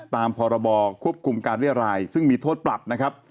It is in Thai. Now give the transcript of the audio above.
ตามพรบควบคุมการเรียรายซึ่งมีโทษปรับนะครับ